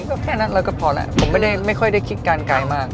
ก็แค่นั้นเราก็พอแล้วผมไม่ค่อยได้คิดการกายมาก